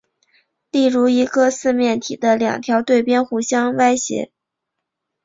例如一个四面体的两条对边互相歪斜。